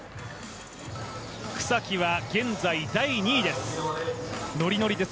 草木は現在第２位です。